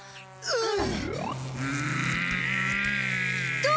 うん。